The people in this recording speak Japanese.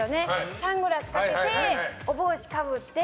サングラスかけてお帽子かぶって。